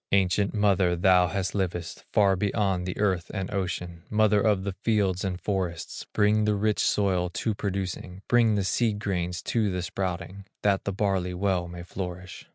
Ancient mother, thou that livest Far below the earth and ocean, Mother of the fields and forests, Bring the rich soil to producing, Bring the seed grains to the sprouting, That the barley well may flourish.